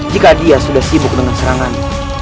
jika dia sudah sibuk dengan serangan